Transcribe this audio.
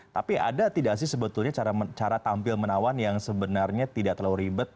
tapi ada tidak sih sebetulnya cara tampil menawan yang sebenarnya tidak terlalu ribet